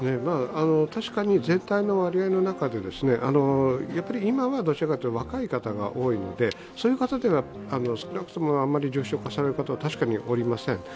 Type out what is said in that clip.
確かに全体の割合の中で今はどちらかというと若い方が多いのでそういう方では少なくとも重症化される方は確かにおりません。